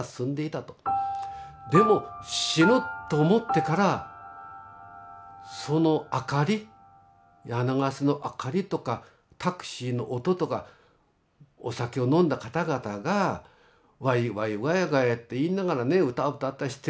「でも『死ぬ』と思ってからその明かり柳ケ瀬の明かりとかタクシーの音とかお酒を飲んだ方々がワイワイガヤガヤって言いながらね歌歌ったりしてく。